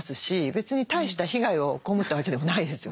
別に大した被害をこうむったわけでもないですよね。